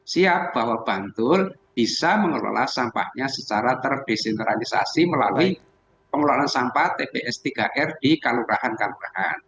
siap bahwa bantul bisa mengelola sampahnya secara terdesentralisasi melalui pengelolaan sampah tps tiga r di kalurahan kalurahan